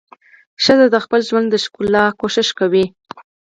ښځه د خپل ژوند د ښکلا هڅه کوي.